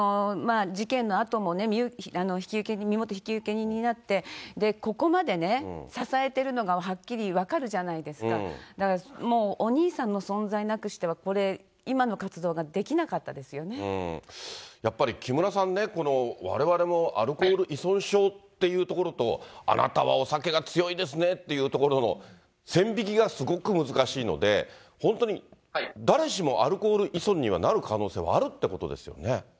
事件のあともね、身元引受人になって、ここまでね、支えてるのがはっきり分かるじゃないですか、だからもうお兄さんの存在なくしては、これ、今の活動ができなかやっぱり木村さんね、このわれわれもアルコール依存症っていうところと、あなたはお酒が強いですねっていうところの線引きがすごく難しいので、本当に誰しもアルコール依存にはなる可能性はあるということです